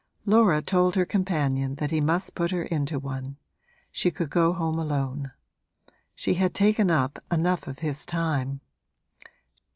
Laura told her companion that he must put her into one she could go home alone: she had taken up enough of his time.